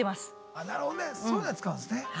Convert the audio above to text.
あなるほどねそういうのに使うんですね。